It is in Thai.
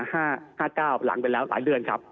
หลังไปแล้วหลายเดือนครับ